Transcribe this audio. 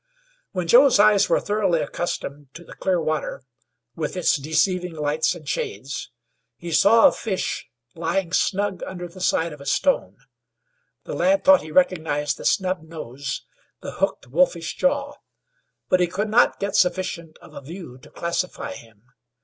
When Joe's eyes were thoroughly accustomed to the clear water, with its deceiving lights and shades, he saw a fish lying snug under the side of a stone. The lad thought he recognized the snub nose, the hooked, wolfish jaw, but he could not get sufficient of a view to classify him.